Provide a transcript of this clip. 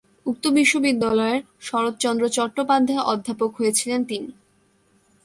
উক্ত বিশ্ববিদ্যালয়ের "শরৎচন্দ্র চট্টোপাধ্যায় অধ্যাপক" হয়েছিলেন তিনি।